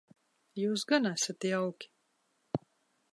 Jūs gan esat jauki.